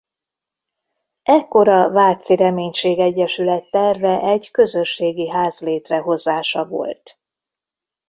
Ekkor a Váci Reménység Egyesület terve egy közösségi ház létrehozása volt.